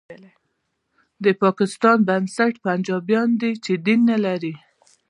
د پاکستان بنسټ پنجابیان دي چې دین نه لري